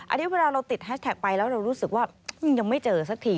อันนี้เวลาเราติดแฮชแท็กไปแล้วเรารู้สึกว่ายังไม่เจอสักที